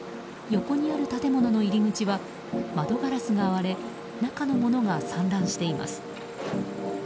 横にある建物の入り口は窓ガラスが割れ中の物が散乱しています。